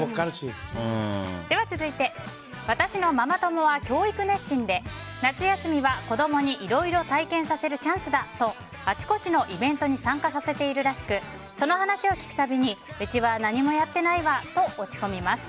続いて私のママ友は教育熱心で夏休みは子供にいろいろ体験させるチャンスだとあちこちのイベントに参加させているらしくその話を聞く度にうちは何もやってないわと落ち込みます。